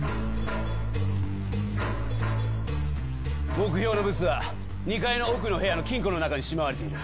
目標のブツは２階の奥の部屋の金庫の中にしまわれている。